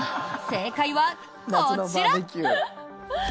正解はこちら。